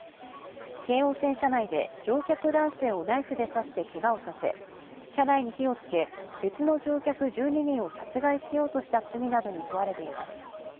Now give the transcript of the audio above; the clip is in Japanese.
京王線車内で乗客男性をナイフで刺して、けがをさせ、車内に火をつけ、別の乗客１２人を殺害しようとした罪などに問われています。